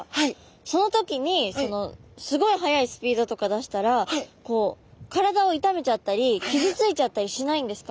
その時にすごい速いスピードとか出したら体を痛めちゃったり傷ついちゃったりしないんですか？